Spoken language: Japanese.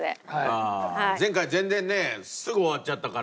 ああー前回全然ねすぐ終わっちゃったから。